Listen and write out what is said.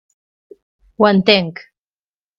Ho entenc.